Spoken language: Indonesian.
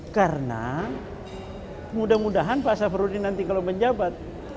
karena mudah mudahan pak safarudin nanti kalau menjabat